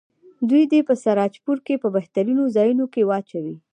دوی دې په سراجپور کې په بهترینو ځایونو کې واچوي.